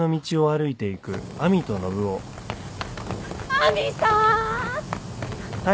亜美さん！